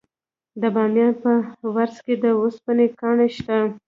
د بامیان په ورس کې د وسپنې کان شته.